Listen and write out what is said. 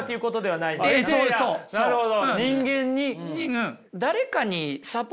なるほど。